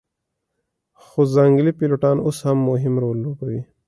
خو ځنګلي پیلوټان اوس هم مهم رول لوبوي